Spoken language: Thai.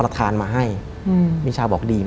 และไม่เคยเข้าไปในห้องมิชชาเลยแม้แต่ครั้งเดียว